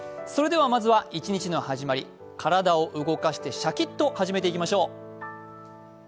まずは一日の始まり、体を動かしてシャキッと始めていきましょう。